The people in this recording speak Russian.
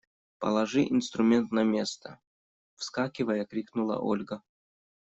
Положи инструмент на место! –вскакивая, крикнула Ольга.